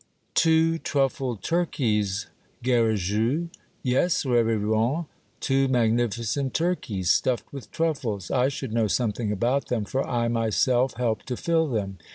Two truffled turkeys, Garrigou ?"*' Yes, reverend, two magnificent turkeys, stuffed with truffles. I should know something about them, for I myself helped to fill them.